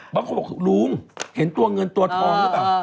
เพราะเขาบอกรูมเห็นตัวเงินตัวทองหรือเปล่า